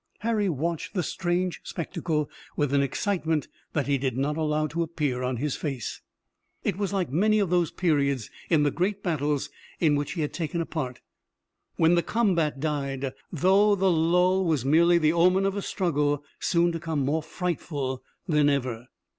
Harry watched the strange spectacle with an excitement that he did not allow to appear on his face. It was like many of those periods in the great battles in which he had taken a part, when the combat died, though the lull was merely the omen of a struggle, soon to come more frightful than ever.